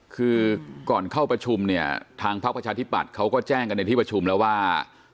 คือก่อนเข้าประชุมเนี่ยทางพักประชาธิปัตย์เขาก็แจ้งกันในที่ประชุมแล้วว่า